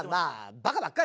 バカばっかり。